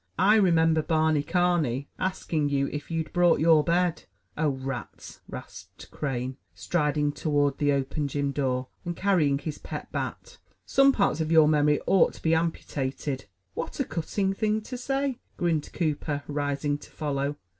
I remember Barney Carney asking you if you'd brought your bed." "Oh, rats!" rasped Crane, striding toward the open gym door and carrying his pet bat. "Some parts of your memory ought to be amputated." "What a cutting thing to say!" grinned Cooper, rising to follow.